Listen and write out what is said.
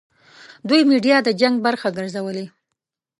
دوی میډیا د جنګ برخه ګرځولې.